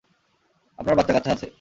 আপনার বাচ্চা-কাচ্চা আছে।